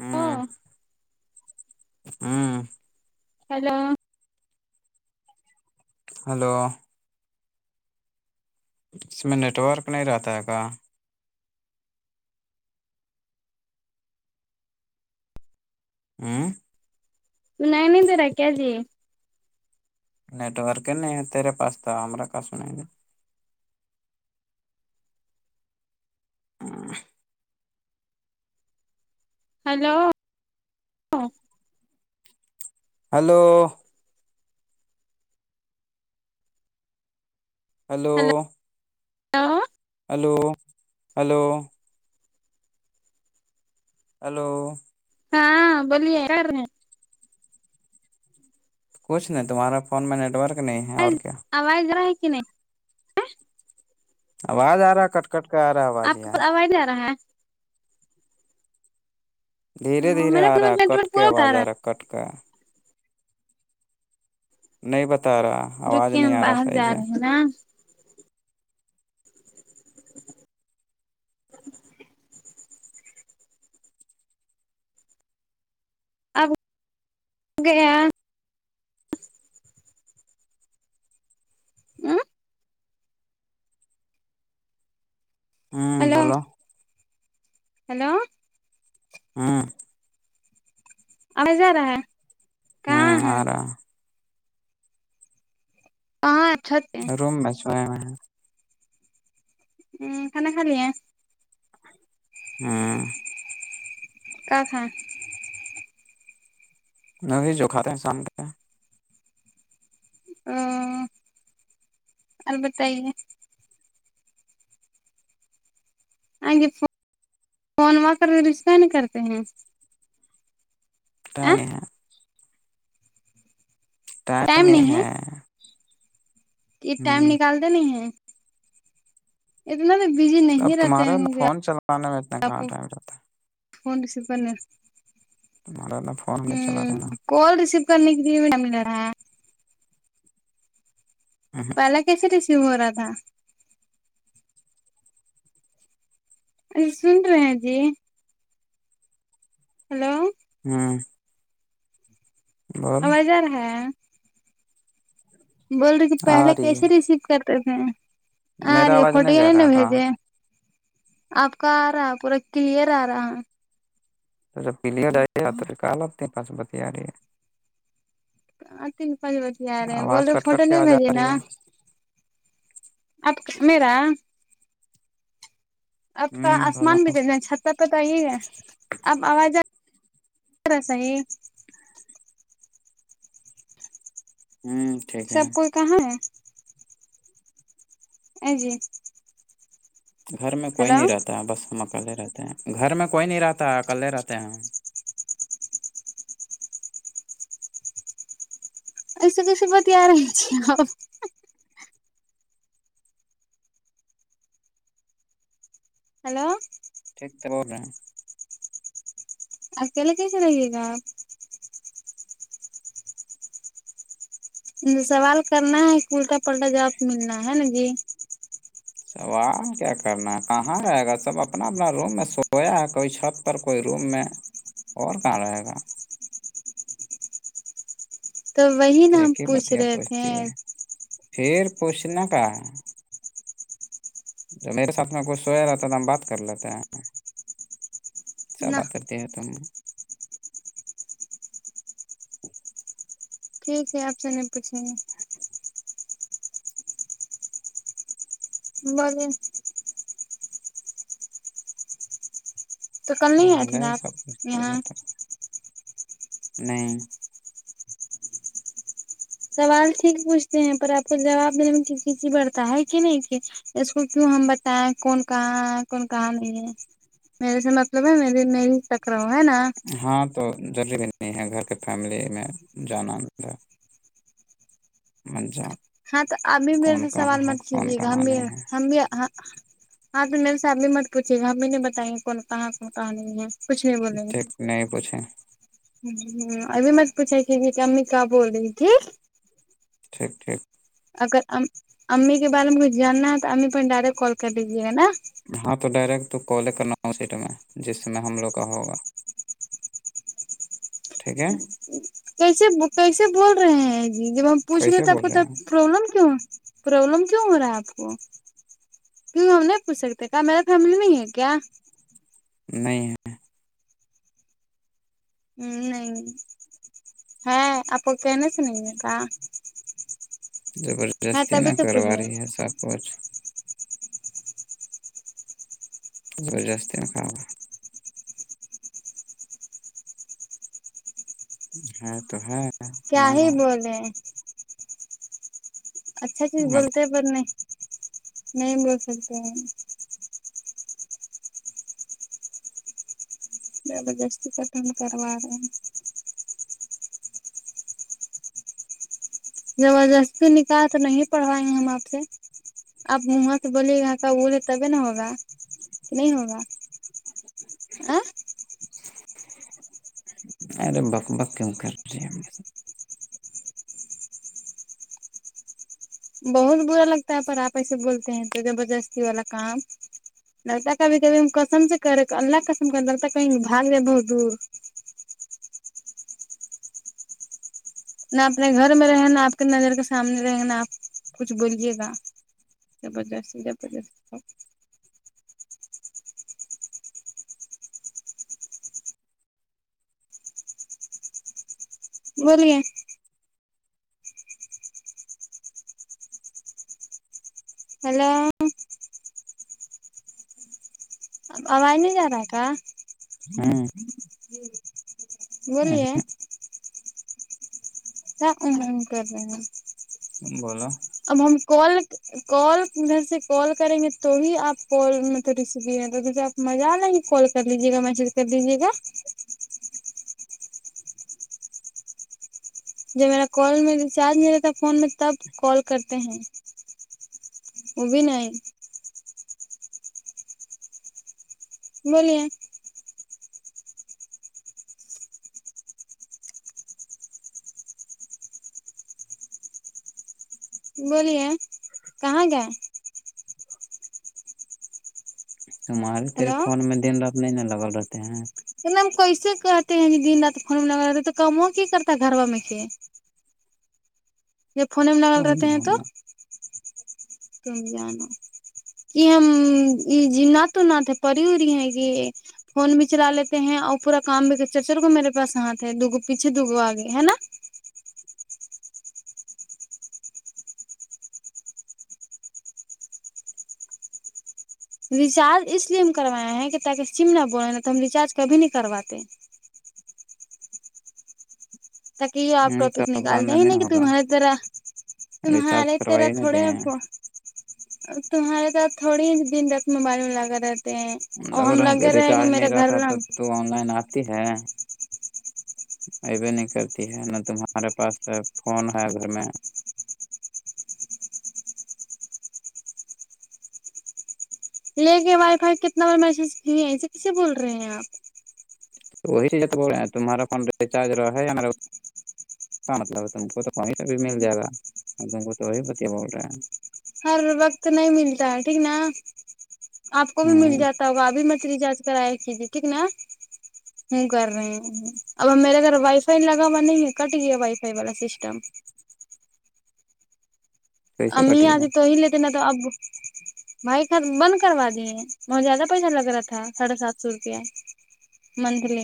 hello ہاں [unintelligible] hello اس میں نیٹ ورک نہیں رہتا ہے کا اوں نہیںائ نہیں تو ر کیا جی نیٹوارک نہیں تیرے پاستا ہم ک س نہیں ہ ہیلو ہلو ہیلو ہل ہلو ہلو ہیلو ہاں بولیے یار کچھ نہیں تمہارا فون میں نیٹ ورک نہیں ہے اور کیا اواز ارہے کہ نہیں آواز آ رہا ہے کٹ کٹ کر آ رہا ہے آواز یار تو ج رہا ہے دھیرے دھیرے میرا آ رہا ہے کٹ نیٹورک کے پورا آواز آ رہا کٹ کے نہیں بتا رہا آواز نہیں آ رہا صحیحز ہے نہ [inaudible] اب گیا ا ہوں ہیلو بولو ہلو ہاں اواز ارہا ہے ہ ارہا ہے ہاں اچھا روم میں چ ہ کناا خال ہے ہاں کا تھااں می جو کاتے ہیں شام کے او الربت ہے ہے آے فونا کر رش کا نہیں کرتے ہیں ٹ میں ٹ ٹائم میں ہے کہ ٹائم ہ نکالتے نہیں ہے اتنا تو بزی اب نہیں رہتے تمہارا نا فون چلانے میں اتنا ہیںپ کہاں ٹائم رہتا ہے فون ریسو تمہارا نا فون میں چلا رہا نا کال ریسسیو کرنے کی د میڈم ل رہا کلاکسری شیو راھا ا سنر ہے جی ہلو ہاں اواز رہ ہے بول رہی کہ آ پہلے رہی ہے کیسے ریسیو کرتے تھے آ میرا رہی ہے آواز فوٹو یہ جا نہیں رہا ن کہاں بھیجے آپ کا آ رہا ہے پورا کلیئر آ رہا ہے تو جب پیلیے جائیے کال آپتے ہیں پاس بت رہی ہے آ تین پانچ بجے آ رہے بول آواز رہے کٹ فوٹو کٹ کے آ نہیں جا بھیجی رہی نا ہے آپ میرا آپ کا ہ بولو آسمان بھی کر چھت پ پت ہی ہے اب آوازا صحیح ہوں ٹھیک ہے سب کوئی کہاں ہے ا جی گھر میں کوئی ہلو نہیں رہتا ہے بس ہم اکلے رہتے ہیں گھر میں کوئی نہیں رہتا اکلے رہتے ہیں ہم ایسے کیسے بتیا رہے جی آپ ہلو ٹھیک تو بول رہے ہیں اکیلا کیسے رہیے گا آپ سوال کرنا ہے کہ الٹا پلٹا جاب ملنا ہے نا جی سوال کیا کرنا ہے کہاں رہے گا سب اپنا اپنا روم میں سویا ہے کوئی چھت پر کوئی روم میں اور کہاں رہے گا تو وہی تو نا یہ ہم ہی بت پوچھ یہ رہے تھے پوچھتی ہے پھر پوچھنا کا جب میرے ساتھ میں کھ سویا رہاتتا ہے تو ہم بات کر لیتے ہیں کیاا نہ بات کرتے ہیں [unintelligible] [unintelligible] ٹھیک ہے آپ سے نہیں پوچھیں گے [unintelligible] تو کل نہیں آئے سوال تھے ہے نا سب آپ پچھتی یہاں نہیں سوال ٹھیک پوچھتے ہیں پر آپ کو جواب دینے میں کسی بڑھتا ہے کہ نہیں کہ اس کو کیوں ہم بتائیں کون کہاں ہے کون کہاں نہیں ہے میرے سے مطلب ہے م می ہی سک رہا ہوں ہے نا ہاں تو ضروری بھی نہیں ہے گھر کے فیملی میں جانا اندر مھا [unintelligible] ہاں تو ابھی میرے سے سوال مت کون کیجیے گا ہم کہاں بھی نہیں ہے ہم بھی ہاں تو میم صاحب بھی مت پوچھے گا ہم بھی نہیں بتائیے کون کہاں کون کہاں نہیں ہے کچھ نہیں بولیں گے ٹھیک نہیں پوچھیں ہ ہ ابھی م سے پوچھے کی کہ امی کہ بول رہی ت ٹھیک ٹھیک اگر امی کے بارے میں کچھ جاننا ہے تو امی پ ڈائریکٹ کال کر لیجیے گا نا ہاں تو ڈائریکٹ تو کالے کرنا اس سیٹ میں جس میں ہم لوگ کا ہوگا ٹھیک ہے کیسے کیسے بول رہے ہیں جی جب ہم پوچھ کیسے لیےتے آب بول کوتا رہے پروابلم کیوں ہو پرابلم کیوں ہو رہا ہے آپ کو کیوں ہم نہیں پوچھکتے کیا میرا فیملی نہیں ہے کیا نہیں ہے ہ نہیں ہے آپ کو کہنے سے نہیں ہے کہ زبر جستی نہ کر رہی ہے سب کچھ زور جاست ن کاا ہاں تو ہےاں کیا ہی بولے اچھا چیز بولتے ہیں پر نہیں نہیں بول سکتے ہیں زبردستی کرٹن کروا رہا ہیں زبردستی نکالح تو نہیں پڑھوائیں گے ہم آپ سے آپ وہاں سے بولیے گ کا اولے تبھی ن ہوگا کہ نہیں ہوگا آ [unintelligible] اور ب باکم کر رہ بہت برا لگتا ہے پر آپ ایسے بولتے ہیں تو زبردستی والا کام للتا کابھی کبھی کسم سے کرے اللہ کسم کر للتا کایںھاگ دیں بہت دور نہ اپنے گھر میں رہیں نہا آپ کی نظر کے سامنے رہیں نہا آپ کچھ بولیے گا زبردست زبردست بولے ہیلو آواز نہیں جا رہا ہے کا ہاں بولیے کیا ا کر ل ہیں بولا اب ہم کال کال گھر سے کال کریں گے تو ہی آپ کال مطلب ریسیو ل رہ کیسے آپ مزہ آنا ہے کال کر لیجے گا میسج کر لیجیے گا ہ [inaudible] جب میرا کال میں ریچارج نہیں رہتا فون میں تب کال کرتے ہیں وہ بھی نہیں بولیے بولیے کہاں گئے تمہارے تیرے ہلو فون میں دن رات نہیں نا لگل رہتے ہیں تو ن ہم کیسے کہتے ہیں دن رات خون میں لگا رہ تو کام ہو کی کرتا ہے گھر با میں سے جب فھنے میں ڈگال تم رہتے ہیں تو ہوں تم جانو کہ ہم جی ن تو و نت ہے پری ہو رہی ہیں کہ فون بھی چلا لیتے ہیں اور پورا کام بھی کر چچل کو میرے پاس ہاتھ ہے دوگ پیچھے دوگو آگے ہے نا ریچارج اس لیے ہم کروایا ہیں کہ تاکہ سم نہ بولے ن تو ہم ریچارج کبھی نہیں کرواتے تاکہ یہ آپ ٹاپک تو نکال باندھ دیں ہی نا نہیں کہ ہوگا تمہاری طرح ریچارج تمہارے تیرا کروائی نہ تھوڑے دیں تمہارے تو تھوڑی ہی دن رات موبائل میں لگا رہتا لگ رہا ریچارج نہیں رہتا گھر تو آن لائن آتی ہے ای بھیے نہیں کرتی ہے نہ تمہارے پاس فون ہے گھر میں لے کے وائی فائی کتنا بار میسج کی ہے اسے کسے بول رہے ہیں آپ تو وہی تمہارا فون رچارج رہا ہے ہمارا مطلب تم کو تو وہیں سےب مل جائے گا تم کو تو وہی پتیا بول رہے ہیں ہر وقت نہیں ملتا ہے ٹھیک نا آپ کو بھی ہیں مل ہوں جاتا تو بھی مچلی جانچ کرایا کیجیے ٹھیک نا [inaudible] ہوں کر رہے ہیں اب اب میرے گھر وائی فائی لگا ہوا نہیں ہے کٹ گیا وائی فائی والا سسٹم کیسے امی کٹ گیا آتی تو ہی لیتے ن تو اب بھائی خ بند کروا دیے بہت زیادہ پیسہ لگ رہا تھا ساڑھے سات سو روپیہ منتلی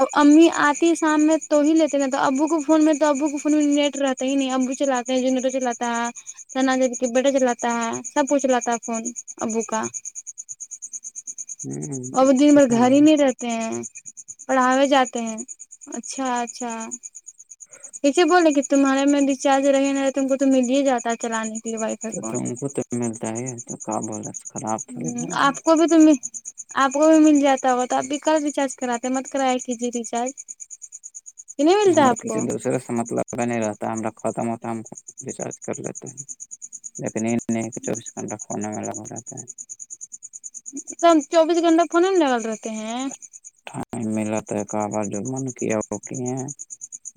ا امی آتی شام میں تو ہی لیتے نا تو ابو کے فون میں تو ابو کے فون میں نیٹ رہ ہی نہیں ابو چلاتے ہیں جنٹو چلاتا ہے سنا جب کے بیٹا چلاتا ہے سب کچ چلاتا ہے فون ابو کا ہوں اور وہ دن بھر اچھا گھر ہی ہے، نہیں رہتے ہیں پڑھاوے جاتے ہیں اچھا اچھا اسے بولے کہ تمہارے میں رچارج رہے نا تم کو تو مل ہی جاتا ہے چلانے کےے وائ تو تم کو تو ملتا ہے تو کہ بول خراب تھوڑی ہ بول آپ رہا کو بھی تم آپ کو بھی مل جاتا ہو تو آپ بھی کل ریچارج کراتے مت کرایا کیجے ریچارج کہ نہیں ملتا ہے آپ کو مطلبا نہیں رہتا ہم ختم ہوتا ہے ہم ریچارج کر لیتے ہیں لیکن چوبیس گھنٹہ کھنے میں لگا رہتا ہے س چوبیس گھنٹہ فھونے میں لگل رہتے ہیں ٹائم ملا تو ہے ک بار جو من کیا وہ کی ہیں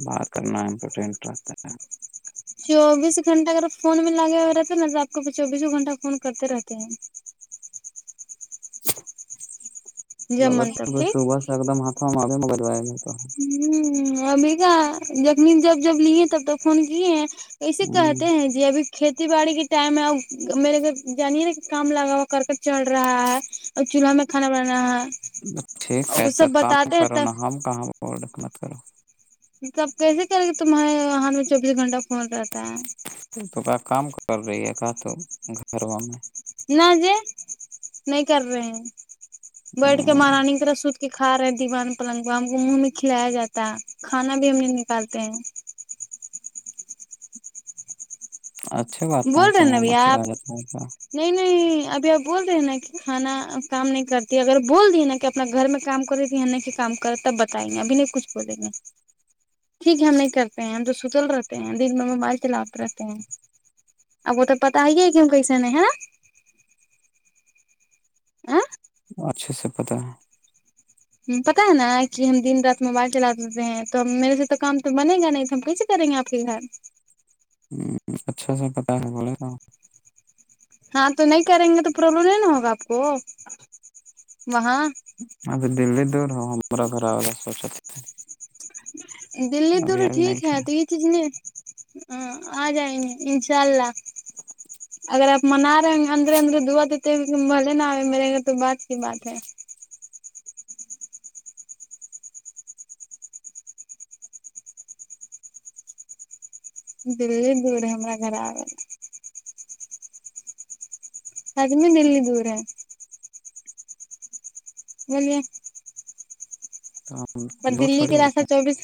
بات کرنا امپورٹینٹ رستا ہے چوبیس گھنٹہ اگر فون میں لگے ہوئے رہتے نا آپ کو چوبیسوں گھنٹہ فون کرتے رہتے ہیں جب لگ من تب صبح ٹھیک سے ایک دم ہاتھوں ہم آے میں گجوائے گے تو ہ ابھی کا ک جب جب لیے تب تو فون کیے ہیں اسے کہتے ہوں ہیں جی ابھی کھیتی باڑی کے ٹائم ہے ا میرے گھر جانے نا کہ کام لگا ہوا کر کے چل رہا ہے اور چولہا میں کانا بنانا ہے ٹھیک اور ہے وہ تو سب کام بتاتے ہیں کرو نا تب ہم کہاں مت کرو لب کیسے کریں گے تمہارے ہات میں چوبیس گھنٹہ فون رہتا ہے تو کیا کام کر رہی ہے کا تو گھر و میں نہ ج نہیں کر رہے ہیں بیٹھ کے میں مہارانی کیرح سو کہ کھا رہے دیوان پلنگ کو ہم کو منہ میں کھلایا جاتا ہے کھانا بھی ہم نہیں نکالتے ہیں اچھا بات نہ ہے بول رہے تو ہیں نا ماما بھیا آپ کھلا جاتا ہے تو نہیں نہیں ابھی آپ بول رہے ہیں نا کہ کھانا کام نہیں کرتی اگر بول دی نا کہ اپنا گھر میں کام کری ت یہ نہیں کہ کام کرے تب بتائیں گے ابھی نہیں کچھ بولیں گے ٹھیک ہے ہم نہیں کرتے ہیں ہم تو ستل رہتے ہیں دن میں موبائل چلاات رہتے ہیں اب وہ تو پتا ہی ہے کیوں کیسے ن ہے آ اچھے سے پتاہ ہے پتا ہے نا کہ ہم دن رات موبائل چلا دیتے ہیں تو میرے سے تو کام تو بنے گا نہیں تو ہم پ کریں گے آپھر گھر ہ اچھا س پتاہ ہے بولے تو ہاں تو نہیں کریں گے تو پرابلم نہیں نا ہوگا آپ کو وہاں ااں دلی دور ہو ہمارا گھر آا سوچ دلی دور ٹھیک ہے تو یہ چیز نہیں آ جائیں گے انشاء اللہ اگر آپ منا رہے ہ اندرے اندرے دعا دیتے ہو بھلے نہ آئے میرے گ تو بات کی بات ہے د دور ہے ہما گھر آ [unintelligible] اد مل دور [unintelligible] مولے [unintelligible] تو ہم پر جوٹ دلی تھوڑی کے ہوولتے راستہ ہیں چوبیس